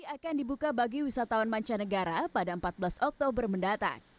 akan dibuka bagi wisatawan mancanegara pada empat belas oktober mendatang